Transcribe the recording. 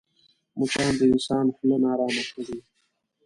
مچان د انسان خوله ناارامه کوي